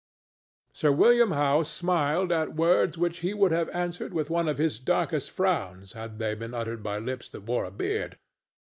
Sir William Howe smiled at words which he would have answered with one of his darkest frowns had they been uttered by lips that wore a beard.